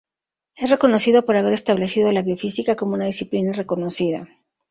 Es reconocido por haber establecido la biofísica como una disciplina reconocida.